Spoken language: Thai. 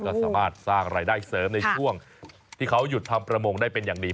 ก็สามารถสร้างรายได้เสริมในช่วงที่เขาหยุดทำประมงได้เป็นอย่างดี